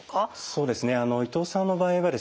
そうですね伊藤さんの場合はですね